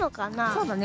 そうだね。